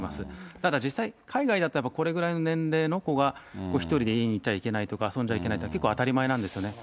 ただ実際、海外だったら、これぐらいの年齢の子が、お一人でいちゃいけないとか、遊んじゃいけないとか、結構当たり前なんですよね。